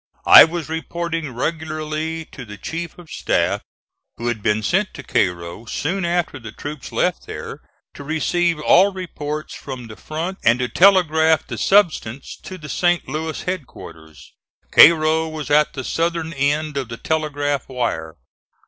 I was reporting regularly to the chief of staff, who had been sent to Cairo, soon after the troops left there, to receive all reports from the front and to telegraph the substance to the St. Louis headquarters. Cairo was at the southern end of the telegraph wire.